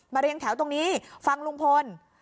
เรียงแถวตรงนี้ฟังลุงพล